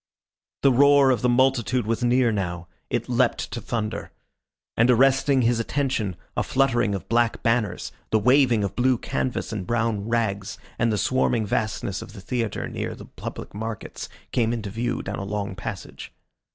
The roar of the multitude was near now: it leapt to thunder. And, arresting his attention, a fluttering of black banners, the waving of blue canvas and brown rags, and the swarming vastness of the theatre near the public markets came into view down a long passage.